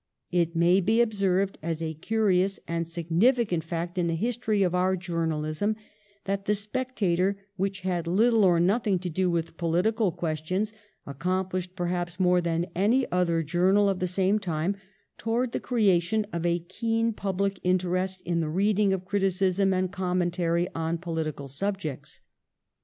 It may be observed as a curious and significant fact in the history of our journalism, that ' The Spectator,' which had little or nothing to do with pohtical questions, accomplished perhaps more than any other journal of the same time towards the creation of a keen public interest in the reading of criticism and commentary on pohtical subjects.